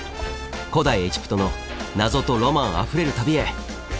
古代エジプトの謎とロマンあふれる旅へ。